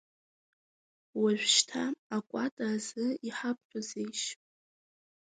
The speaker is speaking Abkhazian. Уажәшьҭа акәата азы иҳабҳәозеишь?